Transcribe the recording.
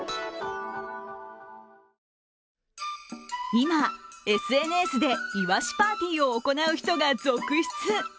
今、ＳＮＳでイワシパーティーを行う人が続出。